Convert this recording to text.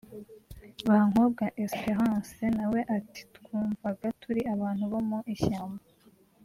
Bankobwa Esperance na we ati “Twumvaga turi abantu bo mu ishyamba